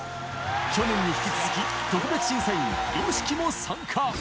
去年に引き続き、特別審査員、ＹＯＳＨＩＫＩも参加。